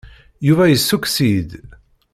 Yuba yessukkes-iyi-d.